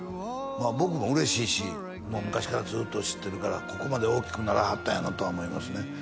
まあ僕も嬉しいし昔からずっと知ってるからここまで大きくならはったんやなとは思いますね